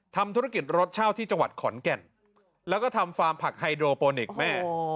ทำธุรกิจรถเช่าที่จังหวัดขอนแก่นแล้วก็ทำฟาร์มผักไฮโดโปนิคแม่